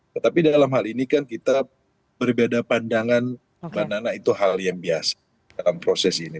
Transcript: tetapi dalam hal ini kan kita berbeda pandangan mbak nana itu hal yang biasa dalam proses ini